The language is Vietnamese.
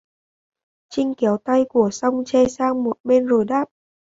Chinh kéo tay của song che sang một bên rồi đáp